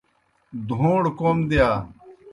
دھوݩڑ کوْم دِیا،